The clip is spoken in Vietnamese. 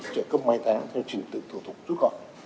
trợ cấp máy tán theo trình tự thủ tục chút gọi